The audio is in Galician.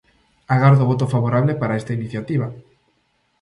Agardo o voto favorable para esta iniciativa.